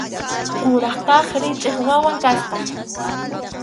Kuraq kaq ritʼip wawan kasqa.